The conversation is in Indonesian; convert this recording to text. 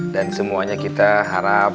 dan semuanya kita harap